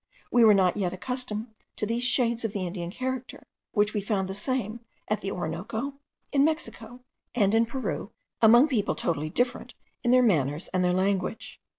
We were not yet accustomed to these shades of the Indian character, which we found the same at the Orinoco, in Mexico, and in Peru, among people totally different in their manners and their language.